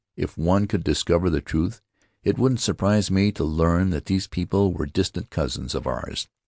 If one could discover the truth, it wouldn't surprise me to learn that these people were distant cousins of ours.